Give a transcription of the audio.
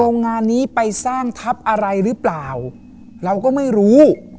งานนี้ไปสร้างทัพอะไรหรือเปล่าเราก็ไม่รู้